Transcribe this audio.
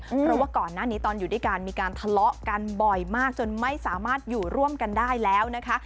เพราะว่าก่อนหน้านี้ตอนอยู่ด้วยกันมีการทะเลาะกันบ่อยมากจนไม่สามารถอยู่ร่วมกันได้แล้วนะคะ